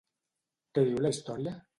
Què diu la història?